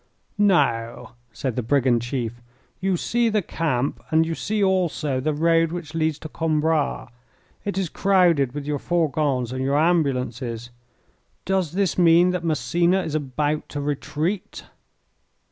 "Now," said the brigand chief, "you see the camp and you see also the road which leads to Coimbra. It is crowded with your fourgons and your ambulances. Does this mean that Massena is about to retreat?"